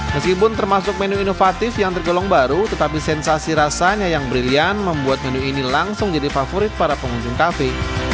meskipun termasuk menu inovatif yang tergolong baru tetapi sensasi rasanya yang brilian membuat menu ini langsung jadi favorit para pengunjung kafe